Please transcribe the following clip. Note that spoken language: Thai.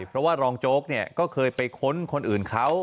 เพราะว่ารองโจ๊กเนี่ยก็เคยไปค้นคนอื่นเขา